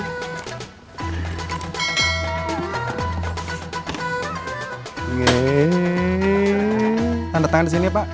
tanda tangan disini ya pak